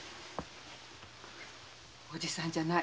おじさんじゃない。